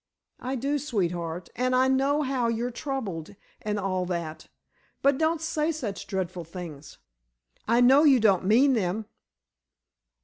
"I do, sweetheart. And I know how you're troubled, and all that, but don't say such dreadful things. I know you don't mean them."